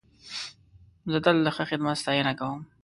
زه تل د ښه خدمت ستاینه کوم.